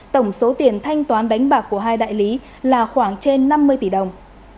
tổng số tiền thanh toán đánh bạc của hai đại lý là khoảng trên năm mươi tỷ đồng